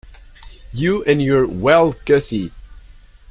You and your 'Well, Gussie'!